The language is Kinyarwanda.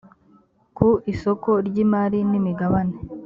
ku isoko ry’imari n’imigabane